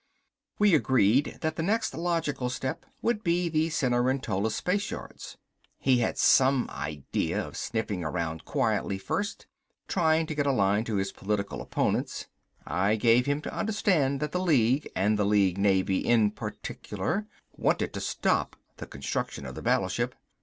We agreed that the next logical step would be the Cenerentola Spaceyards. He had some idea of sniffing around quietly first, trying to get a line to his political opponents. I gave him to understand that the League, and the League Navy in particular, wanted to stop the construction of the battleship.